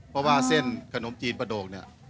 เพราะว่าเส้นขนมจีนประโดกเนี่ย